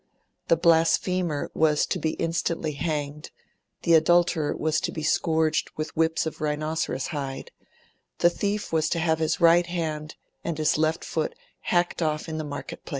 The blasphemer was to be instantly hanged, the adulterer was to be scourged with whips of rhinoceros hide, the thief was to have his right hand and his left foot hacked off in the marketplace.